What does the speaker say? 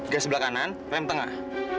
gas sebelah kanan rem tengah